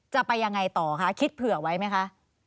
จะไปยังไงต่อคะคิดเผื่อไว้ไหมคะ